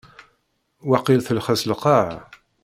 Waqil telxes lqaɛa.